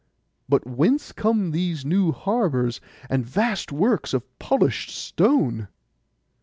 But whence come these new harbours and vast works of polished stone?